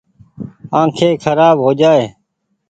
آنکي کرآب هوجآئي ۔